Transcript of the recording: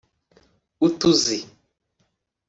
utuzi